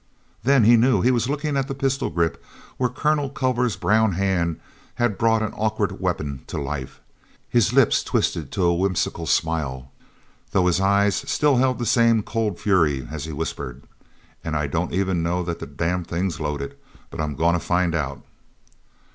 Then he knew he was looking at the pistol grip, where Colonel Culver's brown hand had brought an awkward weapon to life. His lips twisted to a whimsical smile, though his eyes still held the same cold fury, as he whispered: "And I don't even know that the damn thing's loaded—but I'm going to find out!"